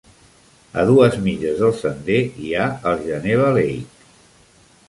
A dues milles del sender hi ha el Geneva Lake.